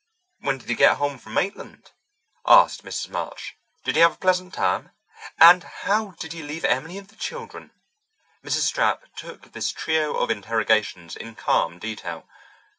"When did you get home from Maitland?" asked Mrs. March. "Did you have a pleasant time? And how did you leave Emily and the children?" Mrs. Stapp took this trio of interrogations in calm detail.